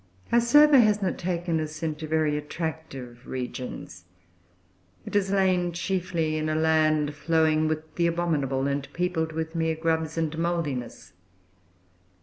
Our survey has not taken us into very attractive regions; it has lain, chiefly, in a land flowing with the abominable, and peopled with mere grubs and mouldiness.